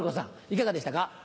いかがでしたか？